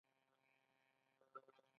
د ژبې مینه وال باید واقع بین وي.